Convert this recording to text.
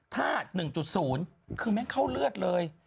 ถ้า๑๐คือแม่งเข้าเลือดเลย